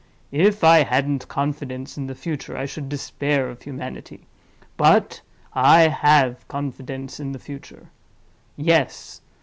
If I hadn't confidence in the future, I should despair of humanity—but I have confidence in the future. Yes!